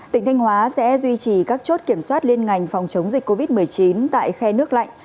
tỉnh thanh hóa sẽ duy trì các chốt kiểm soát liên ngành phòng chống dịch covid một mươi chín tại khe nước lạnh